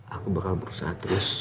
aku bakal berusaha terus